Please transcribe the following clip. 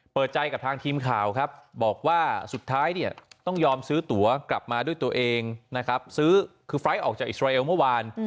เปิดใจกับทางทีมข่าวครับบอกว่าสุดท้ายเนี่ยต้องยอมซื้อตัวกลับมาด้วยตัวเองนะครับซื้อคือไฟล์ทออกจากอิสราเอลเมื่อวาน